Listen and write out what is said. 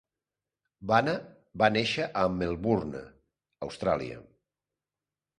Bana va néixer a Melbourne, Austràlia.